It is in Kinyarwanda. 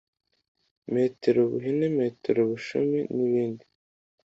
metero buhine, metero bushumi n’ibindi.